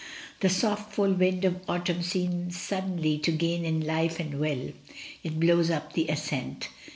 The soft full wind of autumn seems suddenly to gain in life and will; it blows up the ascent.